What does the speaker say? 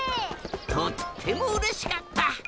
とってもうれしかった！